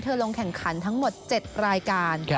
ลงแข่งขันทั้งหมด๗รายการ